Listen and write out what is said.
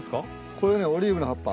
これねオリーブの葉っぱ。